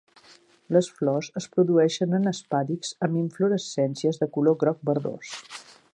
Les flors es produeixen en espàdix amb inflorescències de color groc verdós.